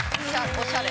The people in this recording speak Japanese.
おしゃれ。